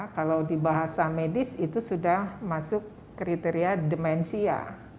kalau di bahasa medis itu sudah masuk kriteria demensia